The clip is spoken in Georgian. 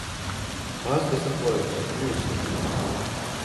ბას დასაფლავების ადგილი უცნობია.